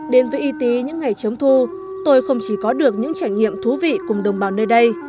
đến với y tý những ngày chống thu tôi không chỉ có được những trải nghiệm thú vị cùng đồng bào nơi đây